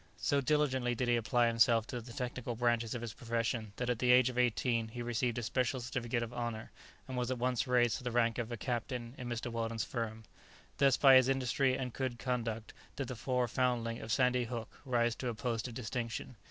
So diligently did he apply himself to the technical branches of his profession that at the age of eighteen he received a special certificate of honour, and was at once raised to the rank of a captain in Mr. Weldon's firm. Thus by his industry and good conduct did the poor foundling of Sandy Hook rise to a post of distinction.